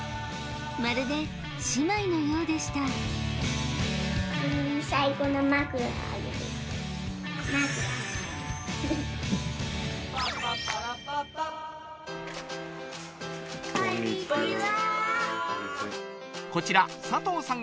まるで姉妹のようでしたこんにちはこちら佐藤さん